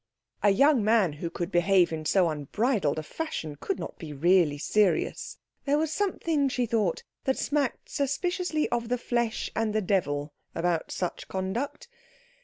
A young man who could behave in so unbridled a fashion could not be really serious; there was something, she thought, that smacked suspiciously of the flesh and the devil about such conduct.